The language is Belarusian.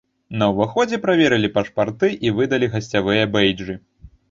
На ўваходзе праверылі пашпарты і выдалі гасцявыя бэйджы.